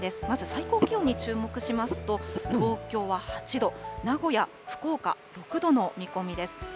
まず最高気温に注目しますと、東京は８度、名古屋、福岡６度の見込みです。